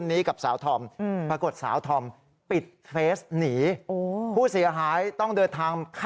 มาตามหามาเผาพริกเผาเกลืออยู่หน้าบ้านสาวธรรมนะฮะ